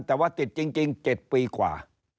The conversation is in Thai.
แต่ว่าติดจริง๗ปีกว่า